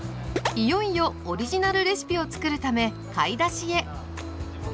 いよいよオリジナルレシピをつくるため買い出しへ。